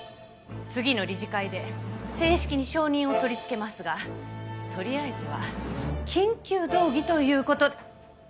次の理事会で正式に承認を取り付けますがとりあえずは緊急動議という事で。